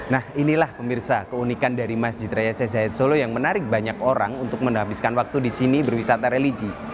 nah inilah pemirsa keunikan dari masjid raya zahid solo yang menarik banyak orang untuk menghabiskan waktu di sini berwisata religi